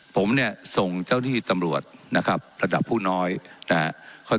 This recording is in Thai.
ผมเนี่ยส่งเจ้าที่ตำรวจนะครับระดับผู้น้อยนะครับ